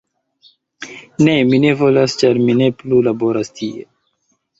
"Ne. Mi ne povas ĉar mi ne plu laboras tie.